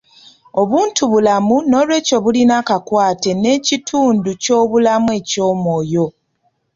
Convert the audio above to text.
Obuntubulamu n'olwekyo bulina akakwate n'ekitundu ky'obulamu eky'omwoyo